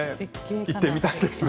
行ってみたいですが。